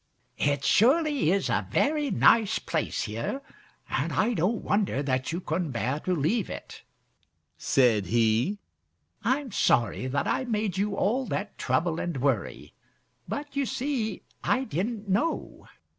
"It surely is a very nice place here, and I don't wonder that you couldn't bear to leave it," said he. "I'm sorry that I made you all that trouble and worry, but you see I didn't know."